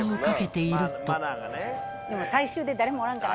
最終で誰もおらんからな。